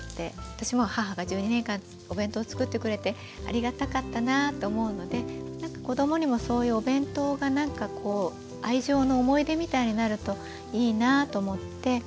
私も母が１２年間お弁当作ってくれてありがたかったなぁと思うのでなんか子供にもそういうお弁当がなんかこう愛情の思い出みたいになるといいなぁと思って。